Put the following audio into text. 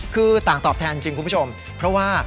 คือต่างตอบแทนจริงคุณผู้ชมเพราะว่า